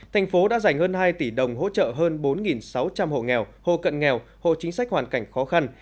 thành phố đã dành hơn hai tỷ đồng hỗ trợ hơn bốn sáu trăm linh hộ nghèo hộ cận nghèo hộ chính sách hoàn cảnh khó khăn